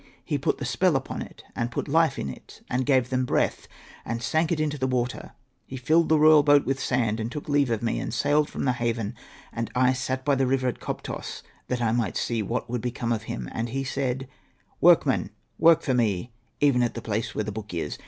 He put the spell upon it, and put life in it, and gave them breath, and sank it in the water. He filled the royal boat with sand, and took leave of me, and sailed from the haven : and I sat by the river at Koptos that I might see what would become of him. And he said, ' Workmen, work for me, even at the place where the book is.'